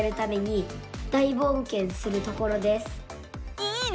いいね！